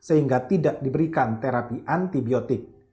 sehingga tidak diberikan terapi antibiotik